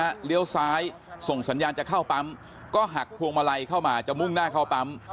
เลี้ยวซ้ายส่งสัญญาณจะเข้าปั๊มก็หักพวงมาลัยเข้ามาจะมุ่งหน้าเข้าปั๊ม